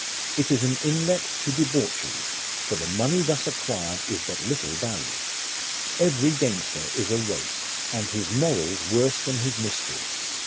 It is an inlet to debauchery, for the money thus acquired is but little valued. Every gamester is a rake, and his morals worse than LIFE OF RICHARD NASH. 121 his mystery.